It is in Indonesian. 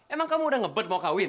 emang kamu udah ngebet mau kawin